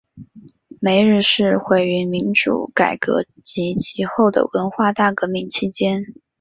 梅日寺毁于民主改革及其后的文化大革命期间。